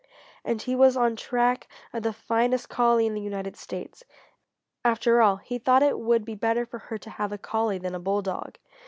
And he was on track of the finest collie in the United States. After all, he thought it would be better for her to have a collie than a bulldog.